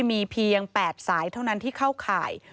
มีเพียง๘สายเท่านั้นที่เข้าข่าย